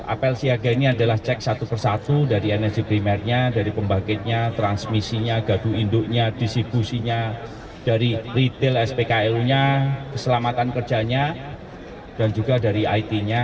apel siaga ini adalah cek satu persatu dari energi primernya dari pembangkitnya transmisinya gadu induknya distribusinya dari retail spklu nya keselamatan kerjanya dan juga dari it nya